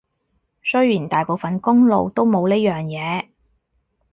雖然大部分公路都冇呢樣嘢